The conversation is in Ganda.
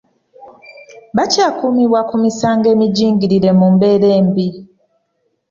Bakyakuumibwa ku misango emijingirire mu mbeera embi.